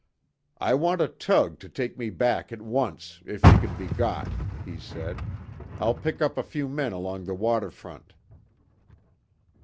"I want a tug to take me back at once, if she can be got," he said. "I'll pick up a few men along the water front."